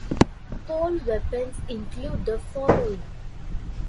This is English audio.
Pole weapons include the following.